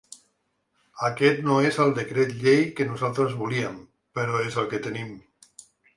Aquest no és el decret llei que nosaltres volíem, però és el que tenim.